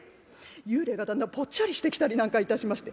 幽霊がだんだんぽっちゃりしてきたりなんかいたしまして。